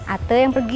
ate yang pergi